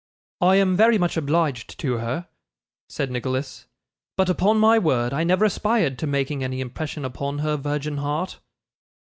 'I am very much obliged to her,' said Nicholas; 'but upon my word, I never aspired to making any impression upon her virgin heart.